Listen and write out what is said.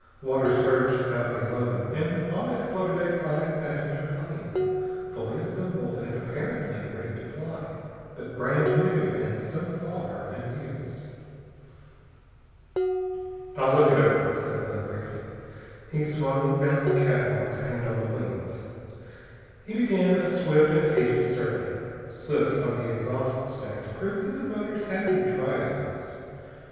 Water surged about below them, and on it floated a five passenger plane, fully assembled and apparently ready to fly, but brand new and so far unused. "I'll look it over," said Bell, briefly. He swung down the catwalk painted on the wings. He began a swift and hasty survey. Soot on the exhaust stacks proved that the motors had been tried, at least.